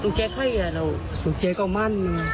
ไม่มีใครคาดคิดไงคะว่าเหตุการณ์มันจะบานปลายรุนแรงแบบนี้